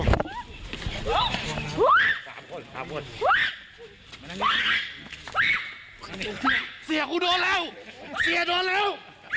โดนแล้วโดนผีเข้าแล้วข้างโดนตบแล้ว